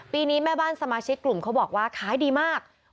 ปีนี้แม่บ้านสมาชิกกลุ่มเขาบอกว่าขายดีมาก